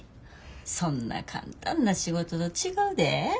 そんな簡単な仕事と違うで。